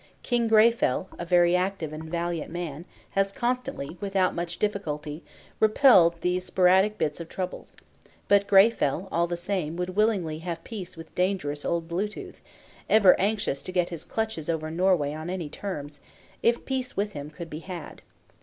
King Greyfell, a very active and valiant man, has constantly, without much difficulty, repelled these sporadic bits of troubles; but Greyfell, all the same, would willingly have peace with dangerous old Blue tooth (ever anxious to get his clutches over Norway on any terms) if peace with him could be had.